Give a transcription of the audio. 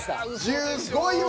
１５位は。